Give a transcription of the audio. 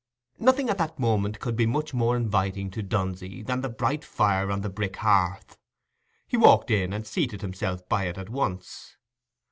Nothing at that moment could be much more inviting to Dunsey than the bright fire on the brick hearth: he walked in and seated himself by it at once.